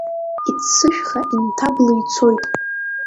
Иццышәха инҭаблы ицоит…